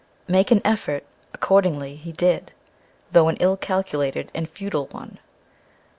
Make an effort, accordingly, he did, though an ill calculated and futile one.